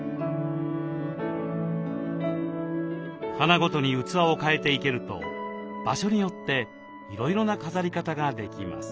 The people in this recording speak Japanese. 花ごとに器を替えて生けると場所によっていろいろな飾り方ができます。